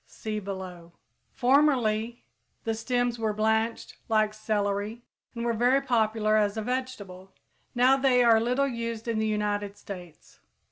(See below.) Formerly the stems were blanched like celery and were very popular as a vegetable; now they are little used in the United States.